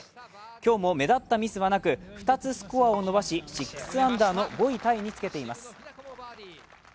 今日も目立ったミスはなく、２つスコアを伸ばし、６アンダーの５位タイにつけています。